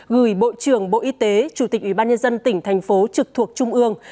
gửi bộ trưởng bộ y tế chủ tịch ủy ban nhân dân tỉnh thành phố trực thuộc trung ương